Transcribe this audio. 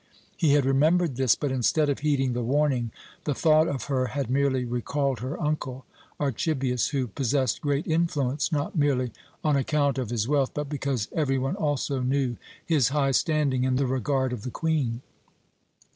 He had remembered this, but, instead of heeding the warning, the thought of her had merely recalled her uncle, Archibius, who possessed great influence, not merely on account of his wealth but because every one also knew his high standing in the regard of the Queen.